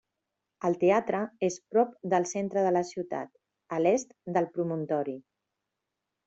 El teatre és prop del centre de la ciutat, a l'est del promontori.